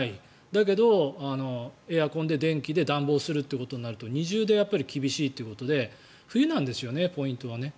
だけど、エアコンで、電気で暖房するってことになると二重で厳しいということで冬なんですよね、ポイントは。